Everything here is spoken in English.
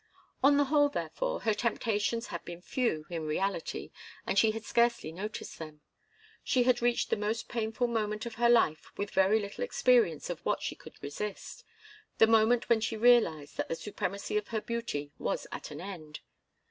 On the whole, therefore, her temptations had been few, in reality, and she had scarcely noticed them. She had reached the most painful moment of her life with very little experience of what she could resist the moment when she realized that the supremacy of her beauty was at an end.